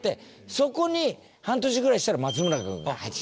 そこに半年ぐらいしたら。